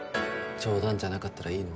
冗談じゃなかったらいいの？